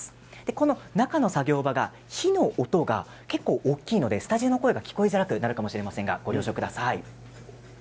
この中の作業場が火の音が結構大きいのでスタジオの声が聞きづらくなるかもしれませんがご了承ください。